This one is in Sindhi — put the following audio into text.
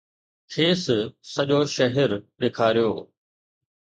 کيس سڄو شهر ڏيکاريو